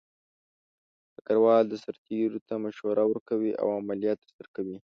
ډګروال د سرتیرو ته مشوره ورکوي او عملیات ترسره کوي.